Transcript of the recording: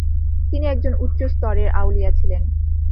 তিনি একজন উচ্চ স্তরের আউলিয়া ছিলেন।